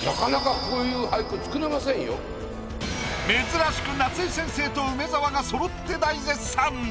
珍しく夏井先生と梅沢がそろって大絶賛。